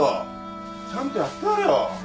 ちゃんとやってやれよ。